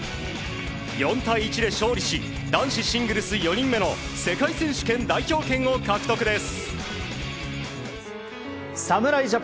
４対１で勝利し男子シングルス４人目の世界選手権代表権を獲得です。